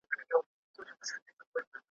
دُرې به اوري پر مظلومانو ,